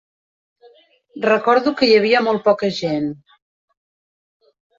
Recordo que hi havia molt poca gent.